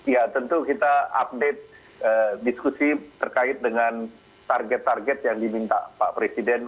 ya tentu kita update diskusi terkait dengan target target yang diminta pak presiden